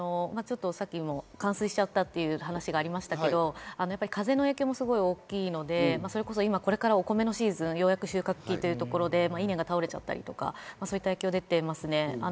冠水しちゃったっという話がありましたけど、風の影響もすごい大きいので、今、これからお米のシーズン、収穫期というところで稲が倒れちゃったり、そういった影響が出てますね。